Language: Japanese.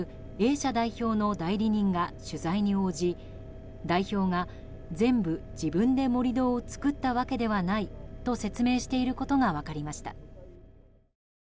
社代表の代理人が取材に応じ代表が、全部自分で盛り土を作ったわけではないと説明していることが分かりました。